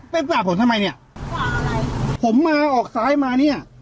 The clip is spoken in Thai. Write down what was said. ฝ่าผมทำไมเนี้ยฝ่าอะไรผมมาออกซ้ายมาเนี้ย